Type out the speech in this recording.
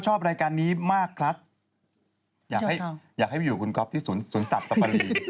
จนเขาบอกว่าเนี่ยอเล็กมันกลับมาคุยกับคนนี้แล้ว